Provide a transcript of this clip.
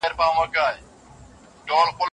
مقابل لوري ته د ارزښت او احترام احساس ورکړئ.